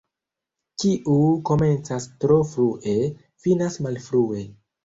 Kiu komencas tro frue, finas malfrue.